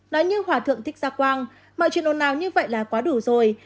nói như hòa thượng thích gia quang mọi chuyện ồn ào như vậy là quá đủ rồi